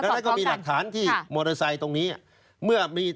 และก็มีหลักฐานที่มอเตอร์ไซค์ตรงนี้